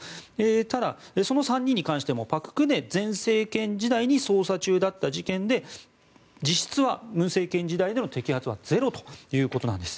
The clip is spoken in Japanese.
ただ、その３人に関しても朴槿惠前政権時代に捜査中だった事件で実質は文政権時代での摘発はゼロということなんです。